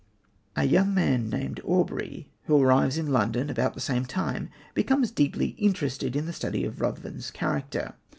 A young man named Aubrey, who arrives in London about the same time, becomes deeply interested in the study of Ruthven's character.